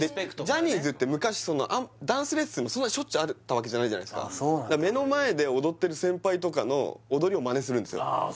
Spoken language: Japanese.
ジャニーズって昔ダンスレッスンもそんなにしょっちゅうあったわけじゃないじゃないすかそうなんだ目の前で踊ってる先輩とかの踊りをマネするんですよああ